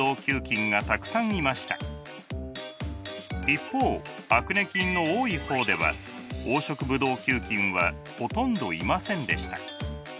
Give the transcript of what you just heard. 一方アクネ菌の多い方では黄色ブドウ球菌はほとんどいませんでした。